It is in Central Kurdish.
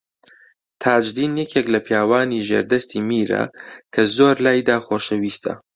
تاجدین یەکێک لە پیاوانی ژێردەستی میرە کە زۆر لایدا خۆشەویستە